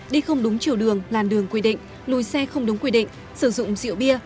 đi không đúng chiều đường làn đường quy định lùi xe không đúng quy định sử dụng rượu bia